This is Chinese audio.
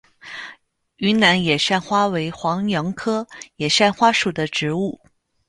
云南野扇花为黄杨科野扇花属的植物。